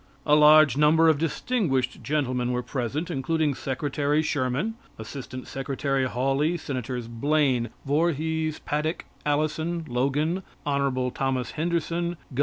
A large number of distinguished gentlemen were present, including Secretary Sherman, Assistant Secretary Hawley, Senators Blaine, Vorhees, Paddock, Allison, Logan, Hon. Thomas Henderson, Gov.